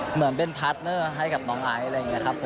เหมือนเป็นพาร์ทเนอร์ให้กับน้องไอซ์อะไรอย่างนี้ครับ